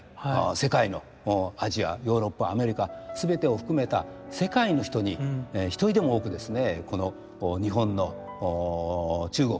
世界のアジアヨーロッパアメリカ全てを含めた世界の人に一人でも多くですね